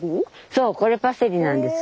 そうこれパセリなんです。